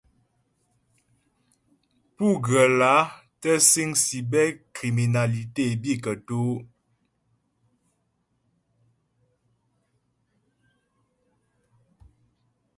Pú ghə́ lǎ tə́ síŋ cybercriminalité bǐ kətú' ?